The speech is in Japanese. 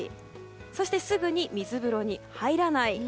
そして、すぐに水風呂に入らない。